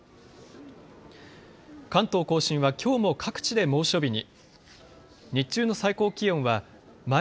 関東甲信はきょうも各地で猛暑日に。